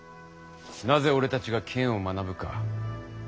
なぜ俺たちが剣を学ぶか。